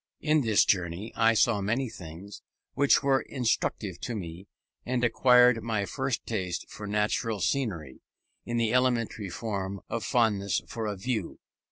In this journey I saw many things which were instructive to me, and acquired my first taste for natural scenery, in the elementary form of fondness for a "view."